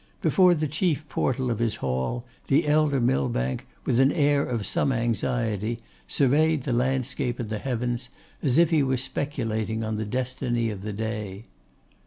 Before the chief portal of his Hall, the elder Millbank, with an air of some anxiety, surveyed the landscape and the heavens, as if he were speculating on the destiny of the day.